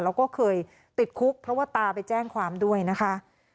แล้วก็เคยติดคุกเพราะว่าตาไปแจ้งความด้วยนะคะ